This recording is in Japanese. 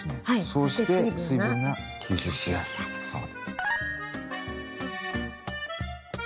そうして水分が吸収しやすくなる。